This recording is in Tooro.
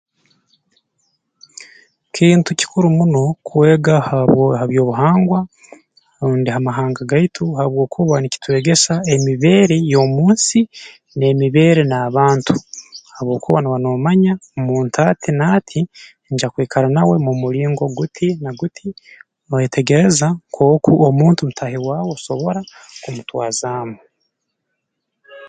Kintu kikuru muno kwega habwo ha by'obuhangwa rundi ha mahanga gaitu habwokuba nikitwegesa emibeere y'omu nsi n'emibeere n'abantu habwokuba nooba noomanya omuntu ati n'ati nja kwikara nawe mu mulingo guti na guti nooyetegereza nk'oku omuntu mutaahi waawe osobora kumutwazaamu